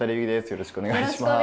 よろしくお願いします。